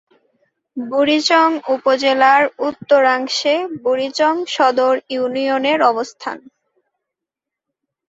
বুড়িচং উপজেলার উত্তরাংশে বুড়িচং সদর ইউনিয়নের অবস্থান।